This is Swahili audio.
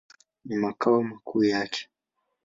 Ni makao makuu yake.